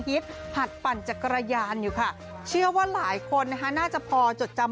ฮิตหัดปั่นจักรยานอยู่ค่ะเชื่อว่าหลายคนนะคะน่าจะพอจดจำ